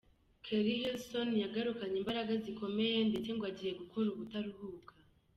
Keri Hilson yagarukanye imbaraga zikomeye ndetse ngo agiye gukora ubutaruhuka.